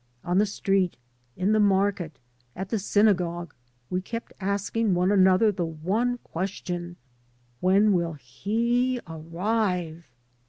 On the street, in the market, at the synagogue, we kept asking one another the one ques tion, "When will he arrive?'